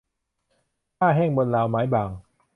ผ้าแห้งบนราวไม้บาง